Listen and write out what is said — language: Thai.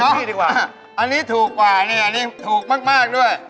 นี่ดีกว่าอันนี้ถูกกว่าเนี่ยอันนี้ถูกมากด้วย